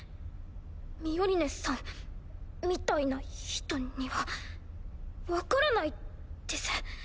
ミオリネさんみたいな人には分からないです。